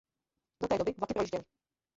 Do té doby vlaky projížděly.